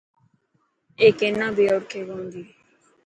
اي ڪينا بي اوڙ کي ڪو نتي.